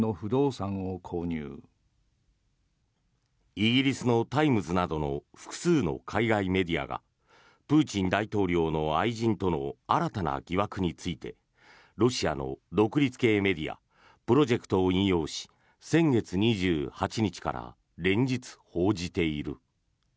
イギリスのタイムズなどの複数の海外メディアがプーチン大統領の愛人との新たな疑惑についてロシアの独立系メディアプロジェクトを引用し先月２８日から連日報じている。